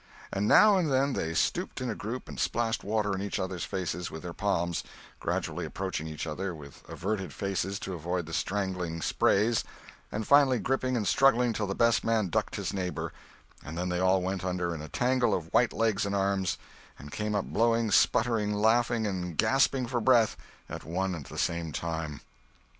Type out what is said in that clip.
And now and then they stooped in a group and splashed water in each other's faces with their palms, gradually approaching each other, with averted faces to avoid the strangling sprays, and finally gripping and struggling till the best man ducked his neighbor, and then they all went under in a tangle of white legs and arms and came up blowing, sputtering, laughing, and gasping for breath at one and the same time.